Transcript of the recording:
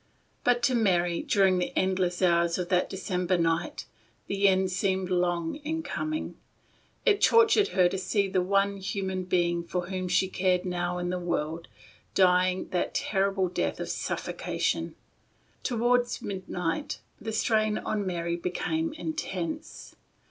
But to Mary, during the endless hours of that December night, the end seemed long in coming. It tortured her to see the one human being for whom she cared now in the world, dying that terrible death of suffoca tion. Toward midnight the strain on Mary became intense.